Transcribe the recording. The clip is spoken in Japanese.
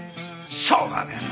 しょうがねえな。